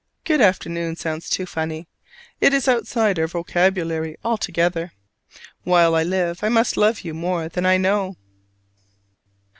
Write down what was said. "Good afternoon" sounds too funny: is outside our vocabulary altogether. While I live, I must love you more than I know!